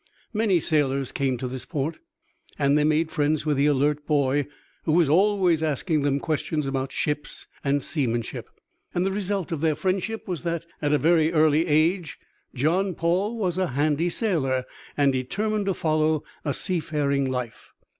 Many sailors came to this port, and they made friends with the alert boy who was always asking them questions about ships and seamanship; and the result of their friendship was that at a very early age John Paul was a handy sailor and determined to follow a seafaring life.